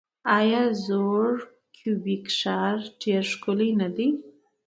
آیا زوړ کیوبیک ښار ډیر ښکلی نه دی؟